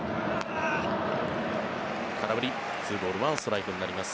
空振り、２ボール１ストライクになります。